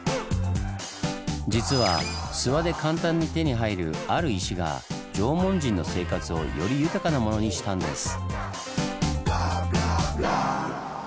実は諏訪で簡単に手に入るある石が縄文人の生活をより豊かなものにしたんです。